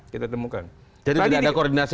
kita temukan jadi tidak ada koordinasi